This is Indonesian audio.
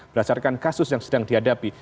berdasarkan kasus yang sedang dihadapi